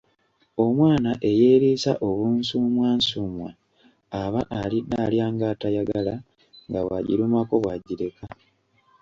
Omwana eyeeriisa obunsumwansumwa aba alidde alya ng'atayagala nga bw'agirumako bw' agireka.